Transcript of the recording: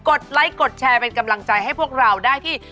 ดไลค์กดแชร์เป็นกำลังใจให้พวกเราได้ที่